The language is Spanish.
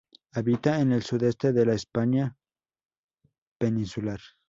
Habita en el sudeste de la España peninsular.